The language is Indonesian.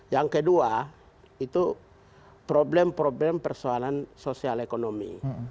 yang kedua itu problem problem persoalan sosial ekonomi